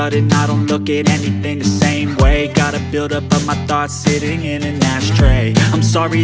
dan katakan apa yang salah